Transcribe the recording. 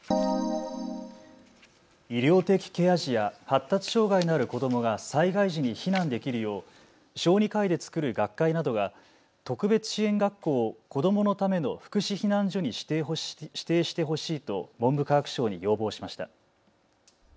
医療的ケア児や発達障害のある子どもが災害時に避難できるよう小児科医で作る学会などが特別支援学校を子どものための福祉避難所に指定してほしいと文部科学省に要望しました。